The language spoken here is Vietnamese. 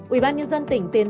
ubnd tỉnh tiền giao